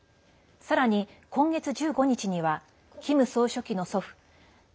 さらに、今月１５日にはキム総書記の祖父。